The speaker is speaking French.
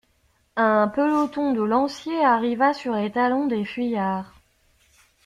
Un peloton de lanciers arriva sur les talons des fuyards.